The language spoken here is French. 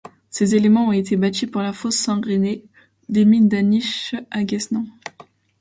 Ces éléments ont été bâtis pour la fosse Saint-René des mines d'Aniche à Guesnain.